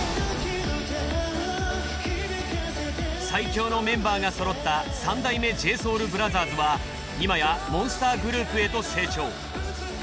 最強のメンバーがそろった三代目ＪＳＯＵＬＢＲＯＴＨＥＲＳは今やモンスターグループへと成長。